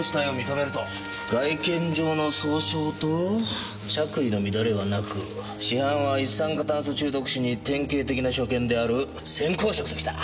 外見上の創傷と着衣の乱れはなく死斑は一酸化炭素中毒死に典型的な所見である鮮紅色ときた！